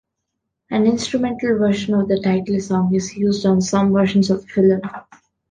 An instrumental version of the title song is used on some versions of film.